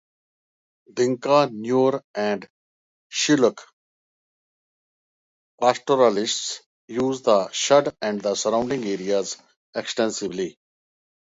Dinka, Nuer and Shilluk pastoralists use the Sudd and the surrounding areas extensively.